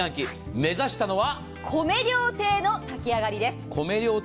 目指したのは米料亭の炊きあがりです。